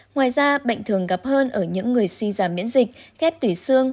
ngoài ra bệnh thường gặp hơn ở những người suy giảm miễn dịch kép tủy xương